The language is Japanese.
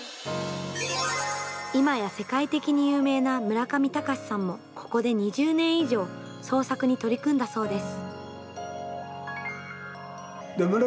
いまや世界的に有名な村上隆さんも、ここで２０年以上創作に取り組んだそうです。